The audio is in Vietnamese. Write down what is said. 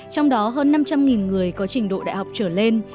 trong đó hơn năm trăm linh người có trình độ đại học trở lên